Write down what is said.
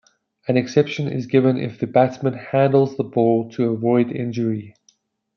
An exception is given if the batsman handles the ball to avoid injury.